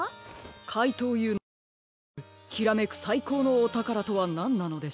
かいとうＵのねらっている「きらめくさいこうのおたから」とはなんなのでしょう？